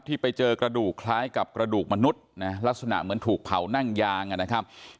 ที่ไปเจอกระดูกคล้ายกับกระดูกมนุษย์นะลักษณะเหมือนถูกเผานั่งยางนะครับ